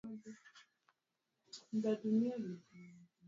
mahakama hawakufikiri uharibifu wa kimwili na kibaiolojia